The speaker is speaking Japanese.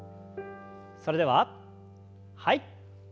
それでははい。